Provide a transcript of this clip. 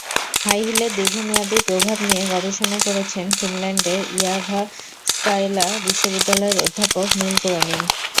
High হিলের দীর্ঘমেয়াদি প্রভাব নিয়ে গবেষণা করেছেন ফিনল্যান্ডের ইয়াভাস্কায়লা বিশ্ববিদ্যালয়ের অধ্যাপক নিল ক্রোনিন।